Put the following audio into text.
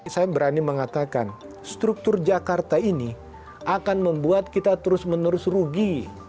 saya berani mengatakan struktur jakarta ini akan membuat kita terus menerus rugi